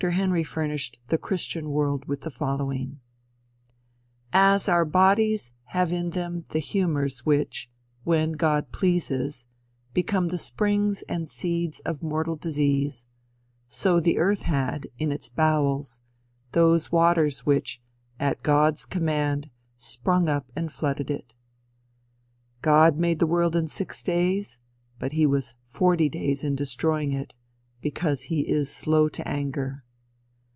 Henry furnished the Christian world with the following: "As our bodies have in them the humors which, when God pleases, become the springs and seeds of mortal disease, so the earth had, in its bowels, those waters which, at God's command, sprung up and flooded it. "God made the world in six days, but he was forty days in destroying it, because he is slow to anger.